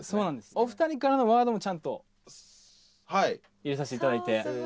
お二人からのワードもちゃんと入れさせていただいて。